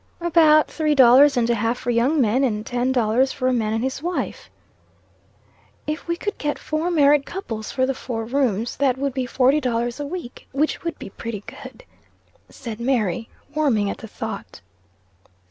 "About three dollars and a half for young men, and ten dollars for a man and his wife." "If we could get four married couples for the four rooms, that would be forty dollars a week, which would be pretty good," said Mary, warming at the thought.